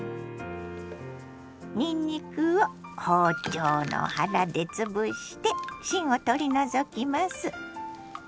にんにくを包丁の腹で潰して芯を取り除きます。